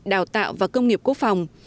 đào tạo và công nghiệp quốc phòng